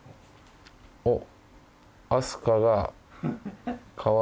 おっ。